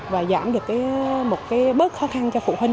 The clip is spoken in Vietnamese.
và giảm được một cái bớt khó khăn cho phụ huynh